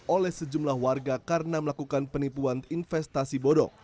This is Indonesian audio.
oleh sejumlah warga karena melakukan penipuan investasi bodoh